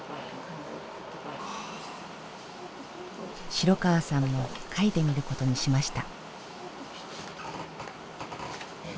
城川さんも書いてみることにしました。